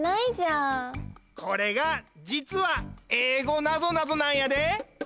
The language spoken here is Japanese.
これがじつはえいごなぞなぞなんやで！